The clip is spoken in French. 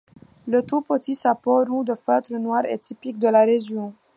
Le tout petit chapeau rond de feutre noir est typique de la région.